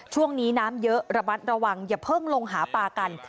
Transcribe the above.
ช่วงนี้น้ำเยอะระมัดระวังอย่าเพิ่งลงหาปลากัน